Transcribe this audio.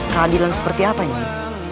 keadilan seperti apa nyai